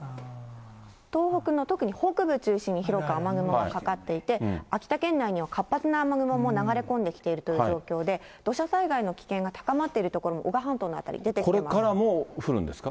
東北の、とくに北部中心に広く雨雲がかかっていて、秋田県内には活発な雨雲も流れ込んできているという状況で、土砂災害の危険が高まっている所も、これからも降るんですか？